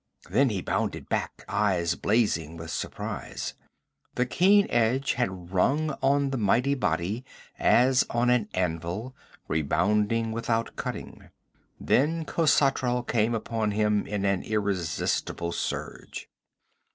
Then he bounded back, eyes blazing with surprise. The keen edge had rung on the mighty body as on an anvil, rebounding without cutting. Then Khosatral came upon him in an irresistible surge.